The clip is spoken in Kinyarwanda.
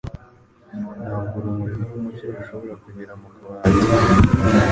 Ntabwo urumuri rwumucyo rushobora kugera mu kabati.